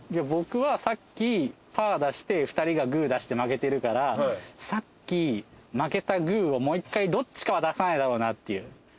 僕はさっきパー出して２人がグー出して負けてるからさっき負けたグーをもう一回どっちかは出さないだろうなっていう。